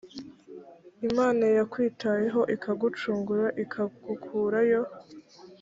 imana yakwitayeho ikagucungura ikagukurayo